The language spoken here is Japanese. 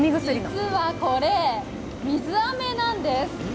実はこれ、水あめなんです。